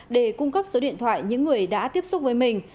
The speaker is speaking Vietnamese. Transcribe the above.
để cung cấp số điện thoại những người đã tiếp xúc với mình